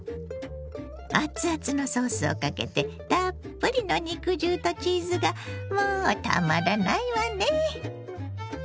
熱々のソースをかけてたっぷりの肉汁とチーズがもうたまらないわね！